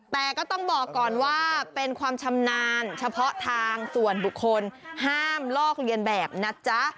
แต่ก็ต้องบอกก่อนว่าเป็นความชำนาญเฉพาะทางส่วนบุคคลห้ามลอกเลียนแบบนะจ๊ะ